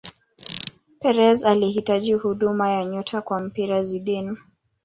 Perez alihitaji huduma ya nyota wa mpira Zidane